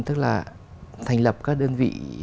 tức là thành lập các đơn vị